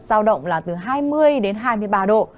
giao động là từ hai mươi đến hai mươi ba độ